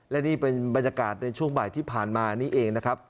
และนี่เป็นบรรยากาศในช่วงบ่ายที่ผ่านมานี่เองนะครับ